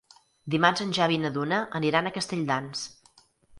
Dimarts en Xavi i na Duna aniran a Castelldans.